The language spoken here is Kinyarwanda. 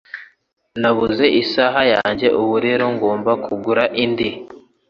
Nabuze isaha yanjye, ubu rero ngomba kugura irindi.